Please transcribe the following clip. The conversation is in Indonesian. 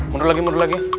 mundur lagi mundur lagi